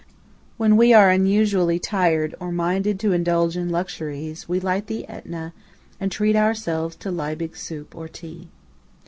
When we are unusually tired, or minded to indulge in luxuries, we light the Etna, and treat ourselves to Liebig soup, or tea.